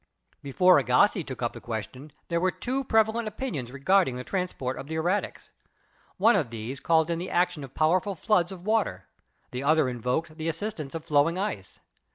Before Agassiz took up the question, there were two prevalent opinions regarding the transport of the erratics. One of these called in the action of powerful floods of water, the other invoked the assistance of floating ice.